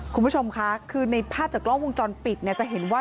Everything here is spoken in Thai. คุณผู้ชมค่ะคือในภาพจากกล้องวงจรปิดเนี่ยจะเห็นว่า